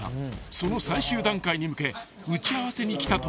［その最終段階に向け打ち合わせに来たという］